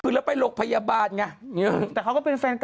อุดรนคอนแกน